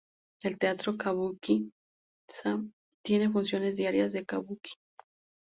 El teatro Kabuki-za tiene funciones diarias de "kabuki".